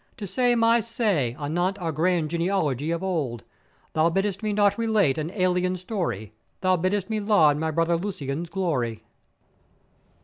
to say my say anent our grand genealogy of old: Thou bidd'st me not relate an alien story; Thou bidd'st me laud my brother Lusian's glory.